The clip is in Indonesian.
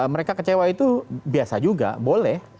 mereka kecewa itu biasa juga boleh